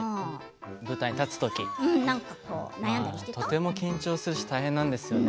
舞台に立つときとても緊張するし大変なんですよね。